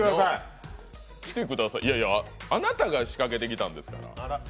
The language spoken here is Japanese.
いやいや、あなたが仕掛けてきたんですから。